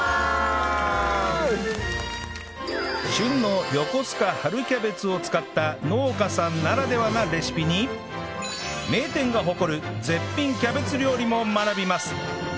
旬の横須賀春キャベツを使った農家さんならではなレシピに名店が誇る絶品キャベツ料理も学びます